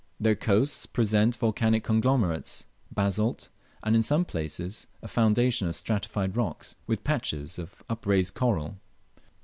Their coasts present volcanic conglomerates, basalt, and in some places a foundation of stratified rocks, with patches of upraised coral.